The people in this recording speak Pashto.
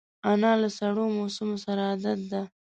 انا له سړو موسمونو سره عادت ده